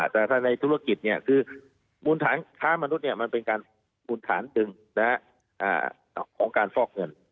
แต่ถ้าในธุรกิจคือค้ามนุษย์มันเป็นการบุญฐานจึงของการฟอกเงิน